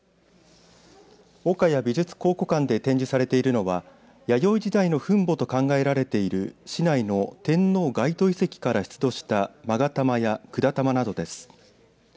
岡谷美術考古館で展示されているのは弥生時代の墳墓と考えられている市内の天王垣外遺跡から出土したまが玉や管玉などです。